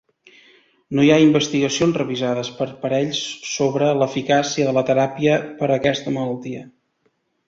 No hi ha investigacions revisades per parells sobre l'eficàcia de la teràpia per a aquesta malaltia.